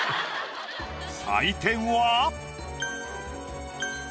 採点は。